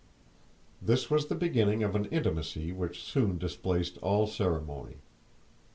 This was the beginning of an intimacy which soon displaced all ceremony.